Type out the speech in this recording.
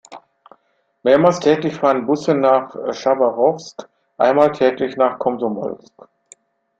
Mehrmals täglich fahren Busse nach Chabarowsk, einmal täglich nach Komsomolsk.